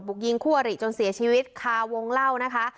กยิงคู่อริจนเสียชีวิตคาวงเล่านะคะ